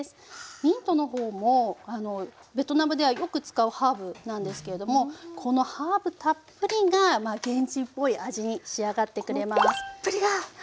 ミントの方もあのベトナムではよく使うハーブなんですけれどもこのハーブたっぷりが現地っぽい味に仕上がってくれます。